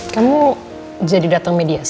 kamu jadi datang mediasi